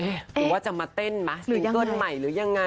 หรือว่าจะมาเต้นไหมหรือเกิ้ลใหม่หรือยังไง